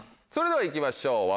それでは行きましょう。